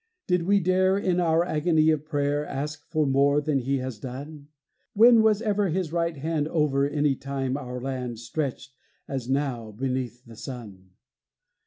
Did we dare, In our agony of prayer, Ask for more than He has done? When was ever His right hand Over any time or land Stretched as now beneath the sun?